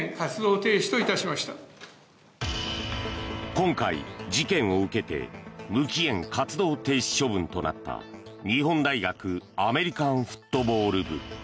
今回、事件を受けて無期限活動停止処分となった日本大学アメリカンフットボール部。